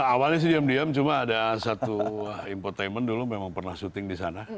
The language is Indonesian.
awalnya sediam diam cuma ada satu infotainment dulu memang pernah syuting di sana